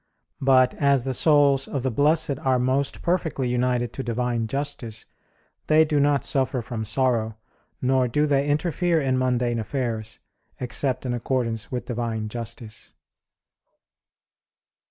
But as the souls of the blessed are most perfectly united to Divine justice, they do not suffer from sorrow, nor do they interfere in mundane affairs, except in accordance with Divine justice.